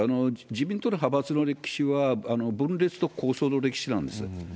自民党の派閥の歴史は、分裂と抗争の歴史なんです。